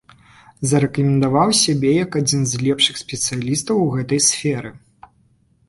Зарэкамендаваў сябе як адзін з лепшых спецыялістаў у гэтай сферы.